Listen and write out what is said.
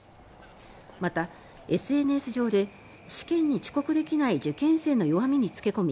また、ＳＮＳ上で試験に遅刻できない受験生の弱みに付け込み